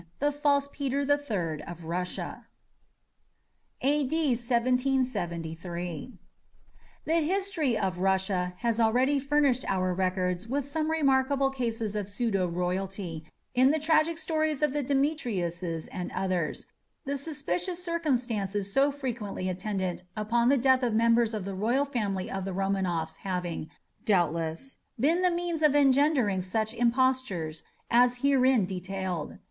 THE FALSE PETER THE THIRD OF RUSSIA. A.D. 1773. The history of Russia has already furnished our records with some remarkable cases of pseudo royalty in the tragic stories of the Demetriuses and others, the suspicious circumstances so frequently attendant upon the death of members of the royal family of the Romanoffs having, doubtless, been the means of engendering such impostures as herein detailed.